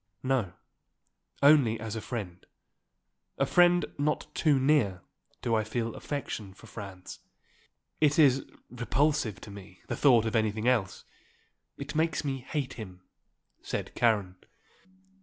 "No. Only as a friend, a friend not too near, do I feel affection for Franz. It is repulsive to me the thought of anything else. It makes me hate him," said Karen.